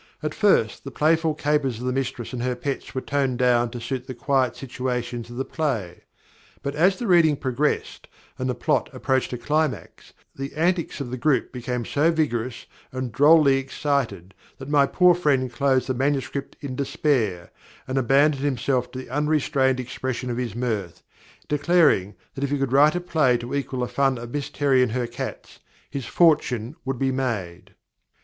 At first the playful capers of the mistress and her pets were toned down to suit the quiet situations of the play; but as the reading progressed, and the plot approached a climax, the antics of the group became so vigorous and drolly excited that my poor friend closed the MS. in despair, and abandoned himself to the unrestrained expression of his mirth, declaring that if he could write a play to equal the fun of Miss Terry and her cats, his fortune would be made."